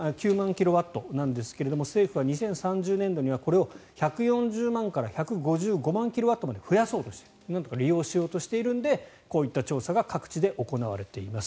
キロワットですが政府は２０３０年度にはこれを１４０万から１５５万キロワットにまで増やそうとしているなんとか利用しようとしているのでこういった調査が各地で行われています。